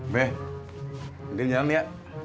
be ndien jangan ya